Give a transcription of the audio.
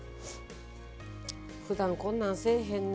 ふだんこんなんせえへんな。